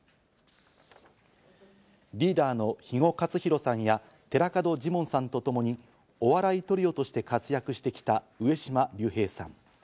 リーダーの肥後克広さんや寺門ジモンさんとともにお笑いトリオとして活躍してきた上島竜兵さん。